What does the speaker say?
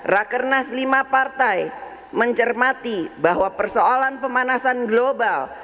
dua belas rakyat kernas lima partai mencermati bahwa persoalan pemanasan global